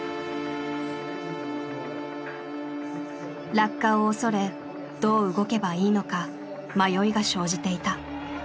落下を恐れどう動けばいいのか迷いが生じていた。